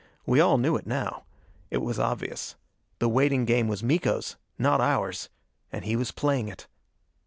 We all knew it now; it was obvious. The waiting game was Miko's not ours! And he was playing it.